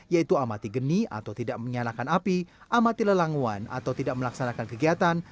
yaitu amati geni atau tidak menyalakan api amati lelanguan atau tidak melaksanakan kegiatan